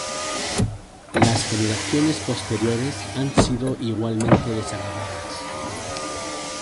Las generaciones posteriores han sido igualmente desagradables.